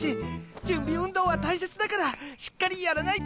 準備運動は大切だからしっかりやらないと。